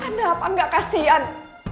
anda apa enggak kasihan